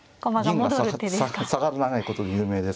銀が下がらないことで有名ですからね。